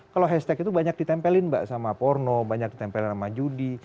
kalau hashtag itu banyak ditempelin mbak sama porno banyak ditempelin sama judi